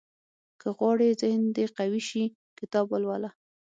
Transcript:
• که غواړې ذهن دې قوي شي، کتاب ولوله.